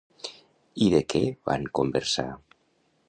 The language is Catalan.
I de què van conversar?